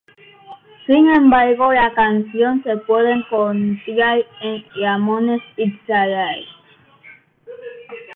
Sin embargo, la canción se puede encontrar en "Ramones: It's Alive!